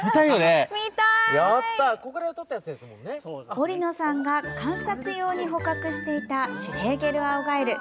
織野さんが観察用に捕獲していたシュレーゲルアオガエル。